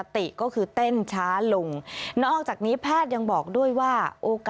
พาพนักงานสอบสวนสนราชบุรณะพาพนักงานสอบสวนสนราชบุรณะ